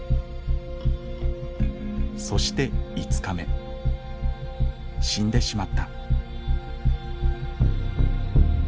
そして死んでしまった。